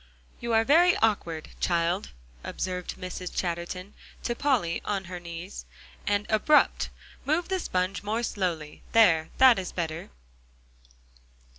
"You are very awkward, child," observed Mrs. Chatterton to Polly on her knees, "and abrupt. Move the sponge more slowly; there, that is better."